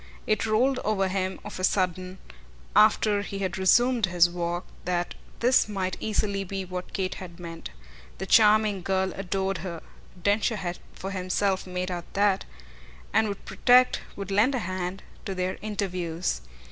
It rolled over him of a sudden, after he had resumed his walk, that this might easily be what Kate had meant. The charming girl adored her Densher had for himself made out that and would protect, would lend a hand, to their interviews.